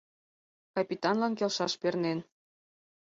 Капитанлан келшаш пернен.